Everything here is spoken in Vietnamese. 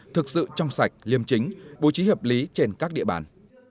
thực sự trong sạch liêm chính bố trí hợp lý trên các địa bàn